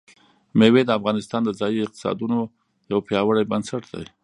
مېوې د افغانستان د ځایي اقتصادونو یو پیاوړی بنسټ دی.